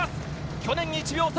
去年、１秒差。